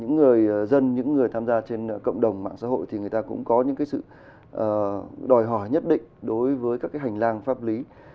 những người dân những người tham gia trên cộng đồng mạng xã hội thì người ta cũng có những sự đòi hỏi nhất định đối với các hành lang pháp lý